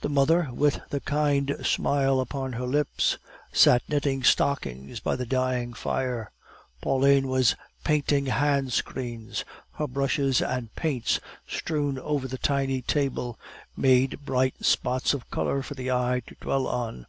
The mother, with the kind smile upon her lips, sat knitting stockings by the dying fire; Pauline was painting hand screens, her brushes and paints, strewn over the tiny table, made bright spots of color for the eye to dwell on.